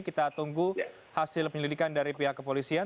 kita tunggu hasil penyelidikan dari pihak kepolisian